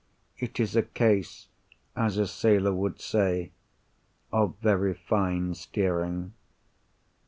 It is a case (as a sailor would say) of very fine steering.